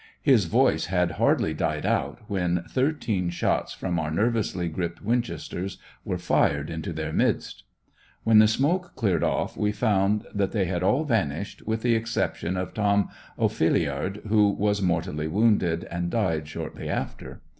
His voice had hardly died out when thirteen shots from our nervously gripped winchesters were fired into their midst. When the smoke cleared off we found that they had all vanished, with the exception of Tom Ophalliard who was mortally wounded, and died shortly after.